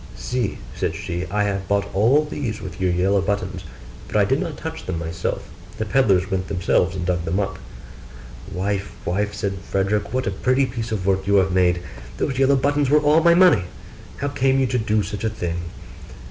'See,' said she, 'I have bought all these with your yellow buttons: but I did not touch them myself; the pedlars went themselves and dug them up.' 'Wife, wife,' said Frederick, 'what a pretty piece of work you have made! those yellow buttons were all my money: how came you to do such a thing?